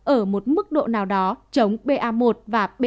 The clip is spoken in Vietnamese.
ở một mức độ nào đó chống ba một và ba